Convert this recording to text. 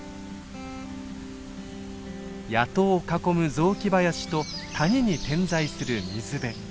谷戸を囲む雑木林と谷に点在する水辺。